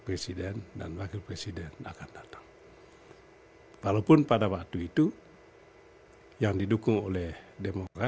ini adalah hak melayu pada waktu itu ini pas tideh kah kata